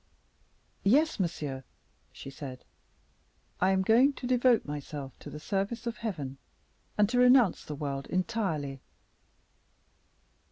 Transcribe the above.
"Yes, monsieur," she said, "I am going to devote myself to the service of Heaven; and to renounce the world entirely."